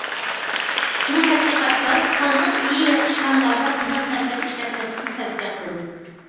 شۇڭا تەتقىقاتچىلار تازىلىق ئۆيى ۋە ئىشخانىلاردا بۇنداق نەرسىلەرنى ئىشلەتمەسلىكنى تەۋسىيە قىلىدۇ.